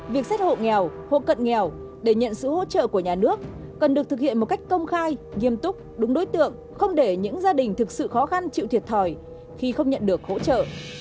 việc xét hộ nghèo hộ cận nghèo để nhận sự hỗ trợ của nhà nước cần được thực hiện một cách công khai nghiêm túc đúng đối tượng không để những gia đình thực sự khó khăn chịu thiệt thòi khi không nhận được hỗ trợ